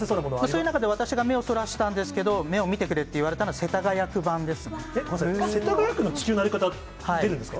そういう中で、私が目をそらしたんですけど、目を見てくれって言われたのが、世田谷区版です世田谷区の地球の歩き方、出るんですか？